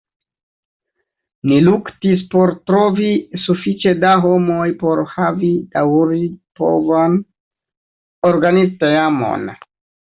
Ni luktis por trovi sufiĉe da homoj por havi daŭripovan organizteamon.